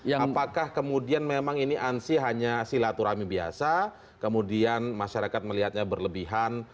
apakah kemudian memang ini ansih hanya silaturahmi biasa kemudian masyarakat melihatnya berlebihan